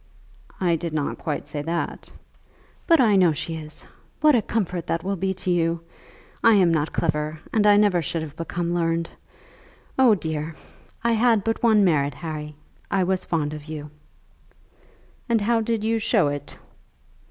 "I did not quite say that." "But I know she is. What a comfort that will be to you! I am not clever, and I never should have become learned. Oh, dear! I had but one merit, Harry; I was fond of you." "And how did you show it?"